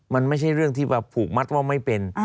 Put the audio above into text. มันไม่ใช่เรื่องที่ผูกมัดว่าไม่เป็น